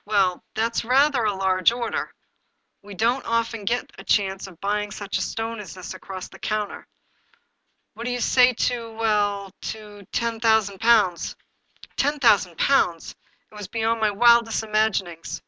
" Well, that's rather a large order. We don't often get a chance of buying such a stone as this across the counter. What do you say to — ^well — ^to ten thousand pounds ?" Ten thousand pounds ! It was beyond my wildest imag inings.